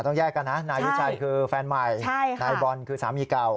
ต้องแยกกันนะนายวิชัยคือแฟนใหม่นายบอลคือสามีเก่า